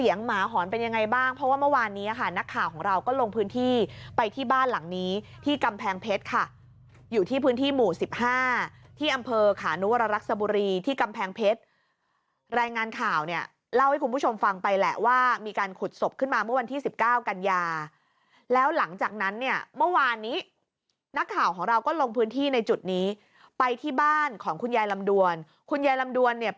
ฟังจากคุณจิตราครับฟังจากคุณจิตราครับฟังจากคุณจิตราครับฟังจากคุณจิตราครับฟังจากคุณจิตราครับฟังจากคุณจิตราครับฟังจากคุณจิตราครับฟังจากคุณจิตราครับฟังจากคุณจิตราครับฟังจากคุณจิตราครับฟังจากคุณจิตราครับฟังจากคุณจิตราครับฟังจ